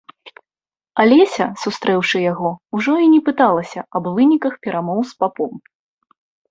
Алеся, сустрэўшы яго, ужо і не пыталася аб выніках перамоў з папом.